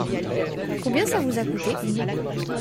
Combien ça vous a coûté ?